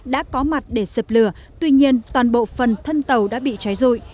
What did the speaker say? đã có mặt để dập lửa tuy nhiên toàn bộ phần thân tàu đã bị cháy rụi